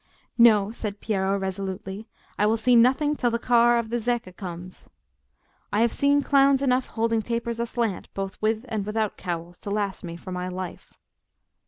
"No," said Piero, resolutely, "I will see nothing till the car of the Zecca comes. I have seen clowns enough holding tapers aslant, both with and without cowls, to last me for my life."